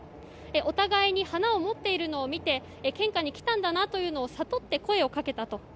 お互いに花を持っているのを見て献花に来たんだなというのを悟って、声をかけたと。